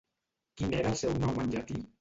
Quin era el seu nom en llatí?